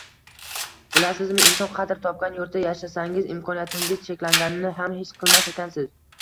Bilasizmi, inson qadr topgan yurtda yashasangiz, imkoniyatingiz cheklanganini ham his qilmas ekansiz.